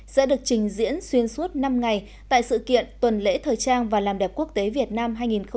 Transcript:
sẽ được trình diễn xuyên suốt năm ngày tại sự kiện tuần lễ thời trang và làm đẹp quốc tế việt nam